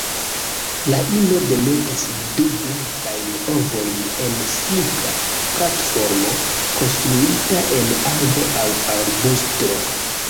La ino demetas du blankajn ovojn en simpla platformo konstruita en arbo aŭ arbusto.